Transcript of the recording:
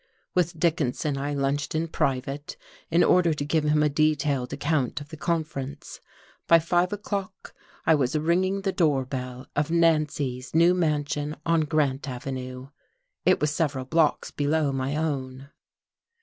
With Dickinson I lunched in private, in order to give him a detailed account of the conference. By five o'clock I was ringing the door bell of Nancy's new mansion on Grant Avenue. It was several blocks below my own.